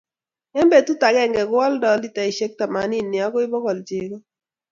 Eng betut akenge ko oldoo litaishe temanini okoi bokol chego